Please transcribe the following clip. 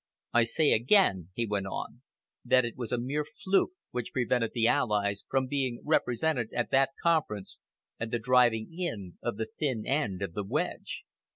I say again," he went on, "that it was a mere fluke which prevented the Allies from being represented at that Conference and the driving in of the thin end of the wedge."